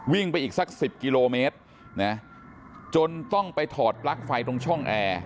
วิ่งไปอีกสักสิบกิโลเมตรนะจนต้องไปถอดปลั๊กไฟตรงช่องแอร์